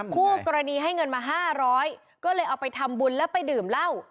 คู่กรณีให้เงินมา๕๐๐ก็เลยเอาไปทำบุญแล้วไปดื่มเหล้า